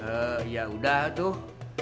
eee yaudah tuh